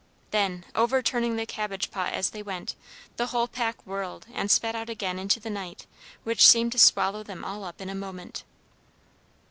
Then, overturning the cabbage pot as they went, the whole pack whirled, and sped out again into the night, which seemed to swallow them up all in a moment.